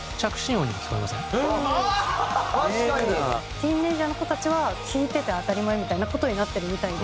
ティーンエージャーの子たちは聴いてて当たり前みたいな事になってるみたいで。